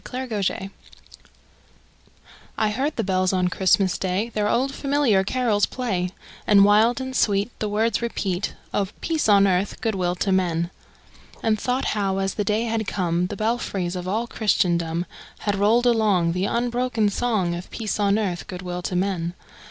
CHRISTMAS BELLS I heard the bells on Christmas Day Their old, familiar carols play, And wild and sweet The words repeat Of peace on earth, good will to men! And thought how, as the day had come, The belfries of all Christendom Had rolled along The unbroken song Of peace on earth, good will to men!